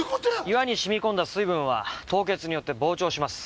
岩に染み込んだ水分は凍結によって膨張します。